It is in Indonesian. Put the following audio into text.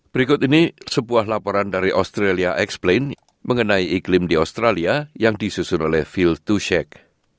berikut ini sebuah laporan dari australia explained mengenai iklim di australia yang disusun oleh phil tuchek